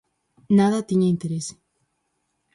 Nada tiña interese.